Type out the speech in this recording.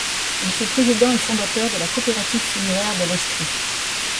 Il fut président et fondateur de la coopérative funéraire de l'Estrie.